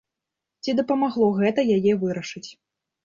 Ці дапамагло гэта яе вырашыць?